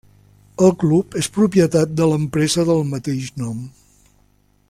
El club és propietat de l'empresa del mateix nom.